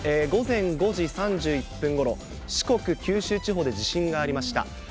午前５時３１分ごろ、四国、九州地方で地震がありました。